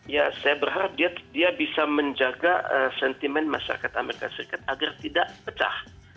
ya saya berharap dia bisa menjaga sentimen masyarakat amerika serikat agar tidak pecah